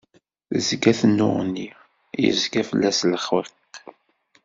Tezga tennuɣni, yezga fell-as lxiq.